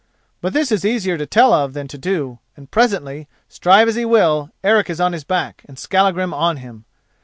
But this is easier to tell of than to do, and presently, strive as he will, Eric is on his back, and Skallagrim on him.